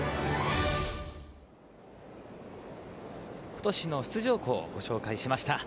ことしの出場校をご紹介しました。